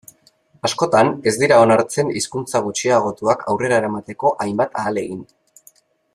Askotan ez dira onartzen hizkuntza gutxiagotuak aurrera eramateko hainbat ahalegin.